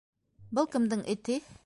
Был кемдең эте?